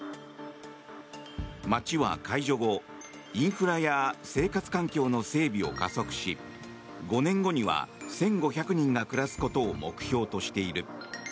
町は解除後、インフラや生活環境の整備を加速し５年後には１５００人が暮らすことを目標としている。